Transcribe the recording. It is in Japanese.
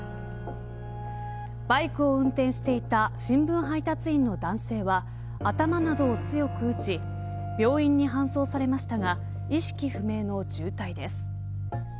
バイクを運転していた新聞配達員の男性は頭などを強く打ち病院に搬送されましたが意識不明の重体です。